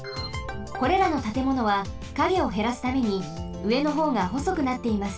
これらのたてものはカゲをへらすためにうえのほうがほそくなっています。